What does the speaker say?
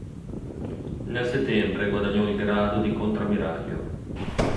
Nel settembre guadagnò il grado di contrammiraglio.